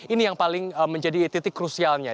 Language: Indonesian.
ini yang paling menjadi titik krusialnya